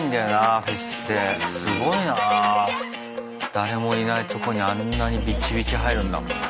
誰もいないとこにあんなにビチビチ入るんだもんな。